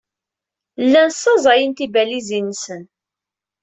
Llan ssaẓayen tibalizin-nsen.